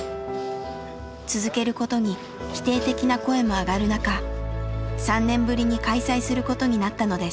続けることに否定的な声もあがる中３年ぶりに開催することになったのです。